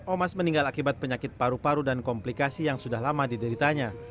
omas meninggal akibat penyakit paru paru dan komplikasi yang sudah lama dideritanya